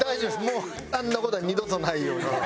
もうあんな事は二度とないように。